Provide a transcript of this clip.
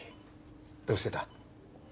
どうしてた？